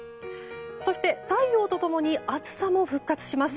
そして、太陽と共に暑さも復活します。